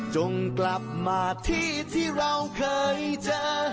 จงกลับมาที่ที่เราเคยเจอ